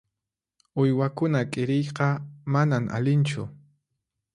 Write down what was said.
Uywakuna k'iriyqa manan allinchu.